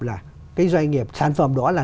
là cái doanh nghiệp sản phẩm đó là